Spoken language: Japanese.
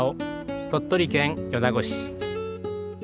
鳥取県米子市。